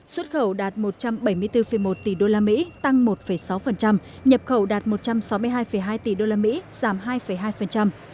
xuất khẩu đạt một trăm bảy mươi bốn một tỷ đô la mỹ tăng một sáu nhập khẩu đạt một trăm sáu mươi hai hai tỷ đô la mỹ giảm hai hai